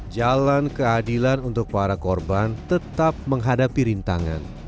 jalan keadilan untuk para korban tetap menghadapi rintangan